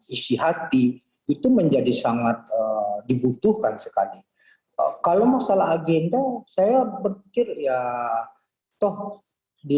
isi hati itu menjadi sangat dibutuhkan sekali kalau masalah agenda saya berpikir ya toh di